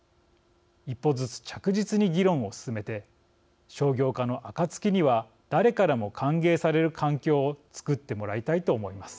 一歩ずつ着実に議論を進めて商業化の暁には誰からも歓迎される環境を作ってもらいたいと思います。